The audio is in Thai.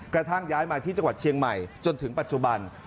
กระทั่งย้ายมาที่จังหวัดเชียงใหม่จนถึงปัจจุบัน